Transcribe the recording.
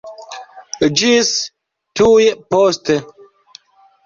Ĝis tuj poste!